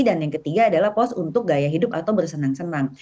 dan yang ketiga adalah pos untuk gaya hidup atau bersenang senang